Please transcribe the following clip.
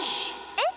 えっ？